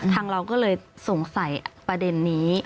เราก็เลยสงสัยประเด็นนี้